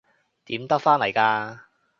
點得返嚟㗎？